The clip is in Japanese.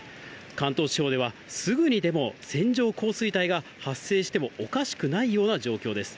関東地方では、すぐにでも線状降水帯が発生してもおかしくないような状況です。